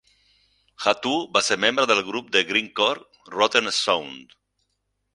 Hahto va ser membre del grup de grindcore Rotten Sound.